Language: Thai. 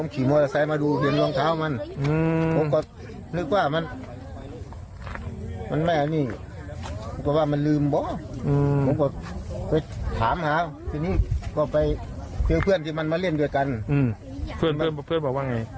ไปถามหาทีนี้ก็ไปเจอเพื่อนที่มันมาเล่นด้วยกันอืมเพื่อนเพื่อนเพื่อนบอกว่าไง